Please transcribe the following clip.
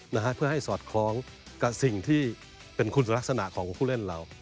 นะฮะเพื่อให้สอดคล้องกับสิ่งที่เป็นคุณลักษณะของผู้เล่นเรา